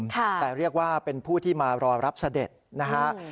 แต่เรียกว่าเป็นผู้ที่มารอรับเสด็จนะฮะ